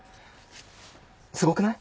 すごくない？